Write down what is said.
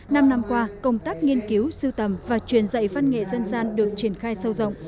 năm năm qua công tác nghiên cứu sưu tầm và truyền dạy văn nghệ dân gian được triển khai sâu rộng